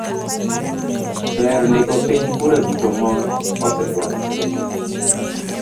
ber ndiko piny kura duto ma osego